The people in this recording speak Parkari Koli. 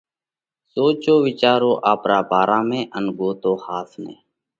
سوچو وِيچارو آپرا ڀارا ۾، ان ڳوتو ۿاس نئہ!